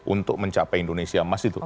untuk mencapai indonesia emas itu